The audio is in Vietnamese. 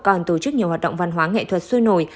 còn tổ chức nhiều hoạt động văn hóa nghệ thuật sôi nổi